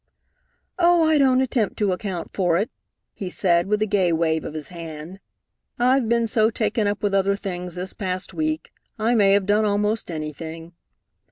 "Oh, I don't attempt to account for it," he said, with a gay wave of his hand. "I've been so taken up with other things this past week, I may have done almost anything.